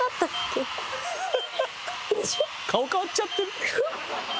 顔変わっちゃってる。